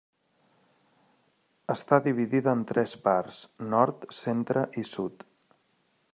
Està dividida en tres parts, nord, centre i sud.